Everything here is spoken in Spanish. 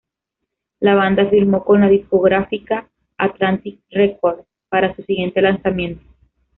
La banda firmó con la discográfica "Atlantic Records" para su siguiente lanzamiento.